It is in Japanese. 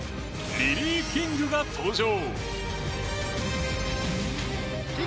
リリー・キングが登場。